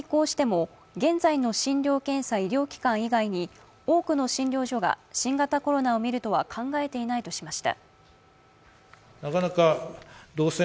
一方、東京都医師会は５類へ移行しても現在の診療検査医療機関以外に多くの診療所が新型コロナを診るとは考えていないとしました。